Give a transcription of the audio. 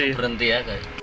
langsung berhenti ya